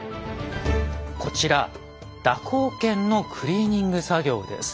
こちら蛇行剣のクリーニング作業です。